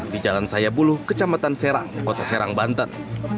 di jalan sayabulu kecamatan serang kota serang banten